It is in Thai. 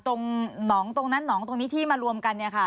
หนองตรงนั้นหนองตรงนี้ที่มารวมกันเนี่ยค่ะ